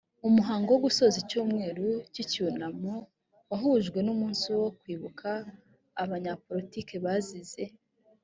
umuhango wo gusoza icyumweru cy icyunamo wahujwe n umunsi wo kwibuka abanyapolitiki bazize